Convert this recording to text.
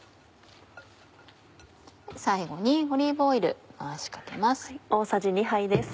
最後にオリーブオイル回しかけます。